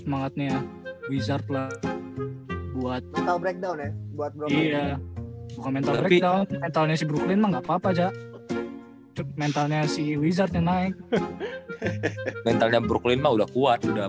mentalnya si brooklyn nggak papa aja mentalnya si wizard naik mentalnya brooklyn udah kuat udah